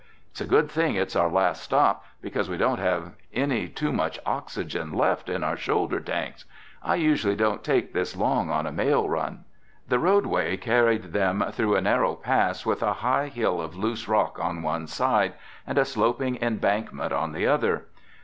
It's a good thing it's our last stop because we don't have any too much oxygen left in our shoulder tanks. I usually don't take this long on a mail run." The roadway carried them through a narrow pass with a high hill of loose rock on one side and a sloping embankment on the other.